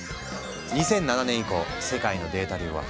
２００７年以降世界のデータ量は増え続け